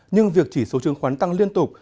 nhưng việc chỉ số trương khoán tăng liên tục